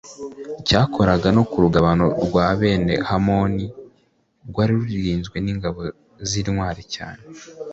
cyakoraga no ku rugabano rwa bene hamoni rwari rurinzwe n’ingabo z’intwari cyane.